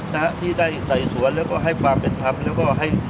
นะที่ได้ใส่ถัวล์แล้วก็ให้ความเป็นทำแล้วให้